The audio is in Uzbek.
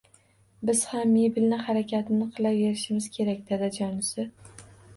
Biz ham mebelni harakatini qilaverishimiz kerak, dadajonisi